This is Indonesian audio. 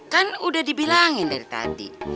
kan udah dibilangin dari tadi